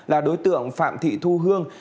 là đối tượng phạm thị thu hương